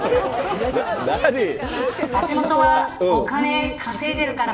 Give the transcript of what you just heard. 橋下はお金稼いでるから。